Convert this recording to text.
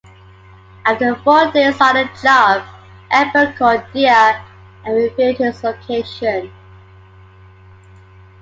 After four days on the job, Egbert called Dear and revealed his location.